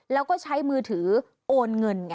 แล้วก็ใช้มือถือโอนเงิน